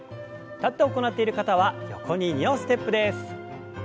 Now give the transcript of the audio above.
立って行っている方は横に２歩ステップです。